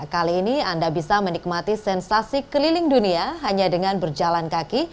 kali ini anda bisa menikmati sensasi keliling dunia hanya dengan berjalan kaki